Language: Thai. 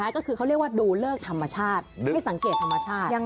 ก็คือเขาเรียกว่าดูเลิกธรรมชาติให้สังเกตธรรมชาติ